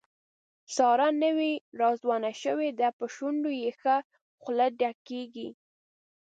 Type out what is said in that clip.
ساره نوې راځوانه شوې ده، په شونډو یې ښه خوله ډکېږي.